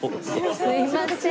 すいません。